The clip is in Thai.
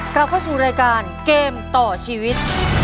กลับเข้าสู่รายการเกมต่อชีวิต